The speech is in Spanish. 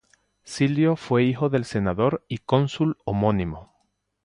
Silio fue hijo del senador y cónsul homónimo.